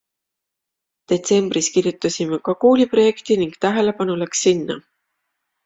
Detsembris kirjutasime ka kooli projekti ning tähelepanu läks sinna.